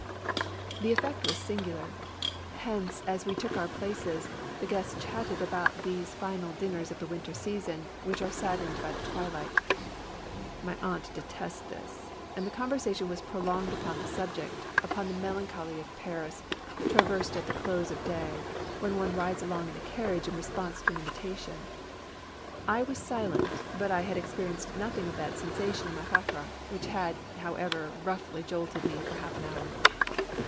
The effect was sin 24 TWO CHARMERS. gular. Hence, as we took our places, the guests chatted about these final dinners of the winter season, which are saddened by the twilight. My aunt detested this. And the conversation was prolonged upon the subject, upon the melancholy of Paris, traversed at the close of day, when one rides along in a carriage in response to an invitation. I was silent, but I had experienced nothing of that sensation in my fiacre, which had, however, roughly jolted me for half an hour.